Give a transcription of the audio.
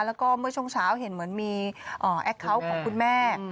แล้วก็เมื่อช่วงเช้าเห็นเหมือนมีแอคเคาน์ของคุณแม่